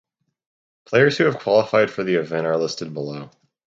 Players who have qualified for the event are listed below.